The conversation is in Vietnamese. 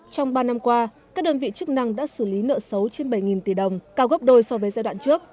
trong ba năm qua các đơn vị chức năng đã xử lý nợ xấu trên bảy tỷ đồng cao gốc đôi so với giai đoạn trước